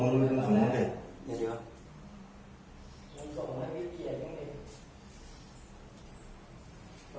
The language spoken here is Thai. มันส่งไว้เมื่อเกี่ยวสิ